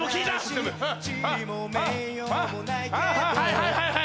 はいはいはい。